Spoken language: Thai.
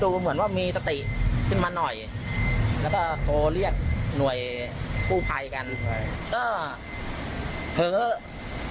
พูดแบบเป็นวาสาหร่างนี้นะครับพูดแบบเป็นวาสาหร่างนี้นะครับ